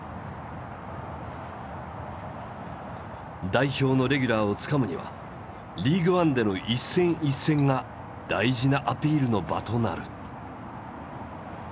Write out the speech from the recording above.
代表のレギュラーをつかむにはリーグワンでの一戦一戦が大事なアピールの場となる。